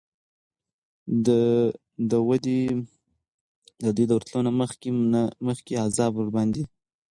د دوی د ورتلو نه مخکي مخکي عذاب ورباندي